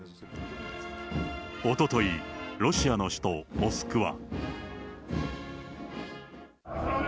おととい、ロシアの首都モスクワ。